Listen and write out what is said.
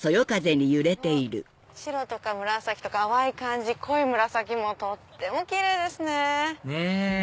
白とか紫とか淡い感じ濃い紫もとってもキレイですね！ねぇ！